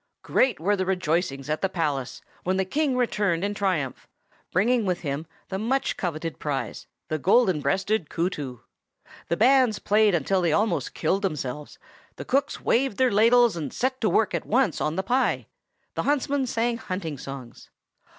Great were the rejoicings at the palace when the King returned in triumph, bringing with him the much coveted prize, the Golden breasted Kootoo. The bands played until they almost killed themselves; the cooks waved their ladles and set to work at once on the pie; the huntsmen sang hunting songs.